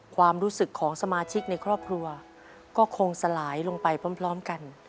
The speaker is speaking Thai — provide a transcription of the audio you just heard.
ความรู้สึกของสมาชิกในครอบครัวก็คงสลายลงไปพร้อมกัน